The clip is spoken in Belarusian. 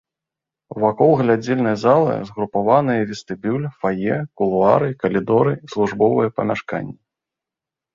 Вакол глядзельнай залы згрупаваныя вестыбюль, фае, кулуары, калідоры, службовыя памяшканні.